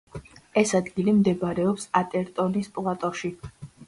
ეს ადგილი მდებარეობს ატერტონის პლატოში.